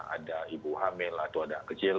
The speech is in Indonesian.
ada ibu hamil atau ada kecil